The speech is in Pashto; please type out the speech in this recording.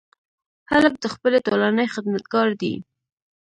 هلک د خپلې ټولنې خدمتګار دی.